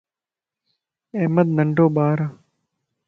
احمد ننڊو ٻار ائي